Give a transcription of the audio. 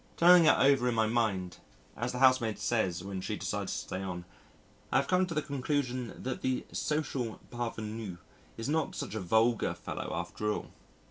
Turning it over in my mind (as the housemaid says when she decides to stay on) I have come to the conclusion that the social parvenu is not such a vulgar fellow after all.